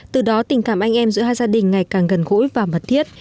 từ đó tình cảm anh em giữa hai gia đình ngày càng gần gũi và mật thiết